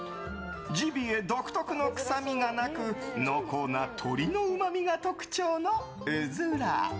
ジビエ独特の臭みはなく濃厚な鶏のうまみが特徴のウズラ。